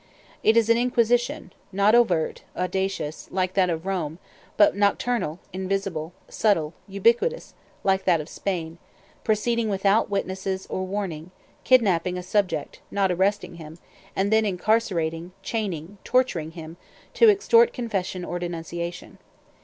It is an inquisition, not overt, audacious, like that of Rome, but nocturnal, invisible, subtle, ubiquitous, like that of Spain; proceeding without witnesses or warning; kidnapping a subject, not arresting him, and then incarcerating, chaining, torturing him, to extort confession or denunciation.